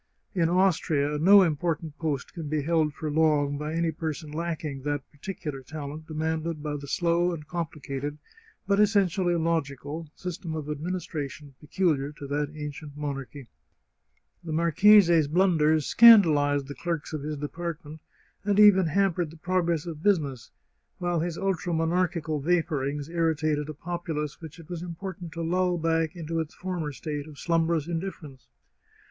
In Austria no important post can be held for long by any person lacking that particular talent demanded by the slow and complicated, but essentially logical, system of admin istration peculiar to that ancient monarchy. The mar chese's blunders scandalized the clerks of his department, |8 The Chartreuse of Parma and even hampered the progress of business, while his ultra monarchical vapourings irritated a populace which it was important to lull back into its former state of slum brous indifference.